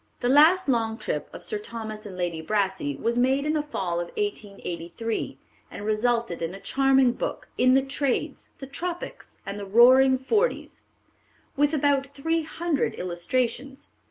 The last long trip of Sir Thomas and Lady Brassey was made in the fall of 1883, and resulted in a charming book, In the Trades, the Tropics, and the Roaring Forties, with about three hundred illustrations.